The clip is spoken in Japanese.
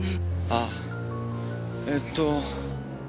あえっと。